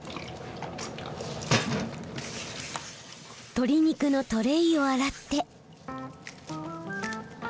鶏肉のトレーを洗って。